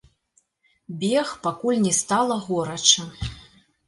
Бег пакуль не стала горача.